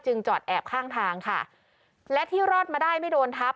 จอดแอบข้างทางค่ะและที่รอดมาได้ไม่โดนทับ